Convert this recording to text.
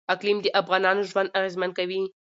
اقلیم د افغانانو ژوند اغېزمن کوي.